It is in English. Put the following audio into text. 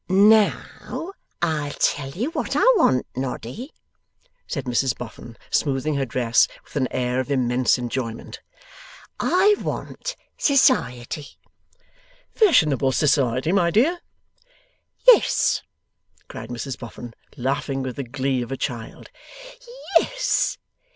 'Now, I'll tell you what I want, Noddy,' said Mrs Boffin, smoothing her dress with an air of immense enjoyment, 'I want Society.' 'Fashionable Society, my dear?' 'Yes!' cried Mrs Boffin, laughing with the glee of a child. 'Yes!